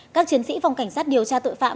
các chiến sĩ phòng cảnh sát điều tra tội phạm